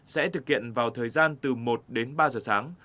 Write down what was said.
sẽ thực hiện vào thời gian từ một đến ba giờ sáng